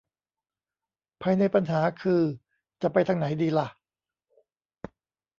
ภายในปัญหาคือจะไปทางไหนดีล่ะ